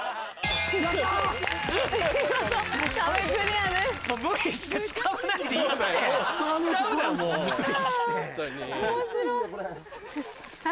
あ面白い。